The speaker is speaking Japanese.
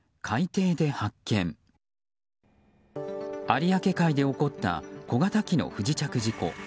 有明海で起こった小型機の不時着事故。